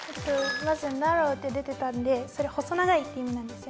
まずｎａｒｒｏｗって出てたんでそれ細長いって意味なんですよ